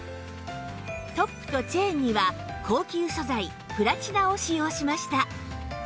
トップとチェーンには高級素材プラチナを使用しました